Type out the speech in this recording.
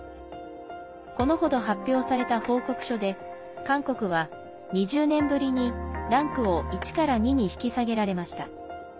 このほど発表された報告書で韓国は２０年ぶりにランクを１から２に引き下げられました。